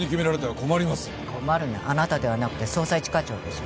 困るのはあなたではなくて捜査一課長でしょ？